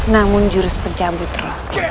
namun jurus pencabut roh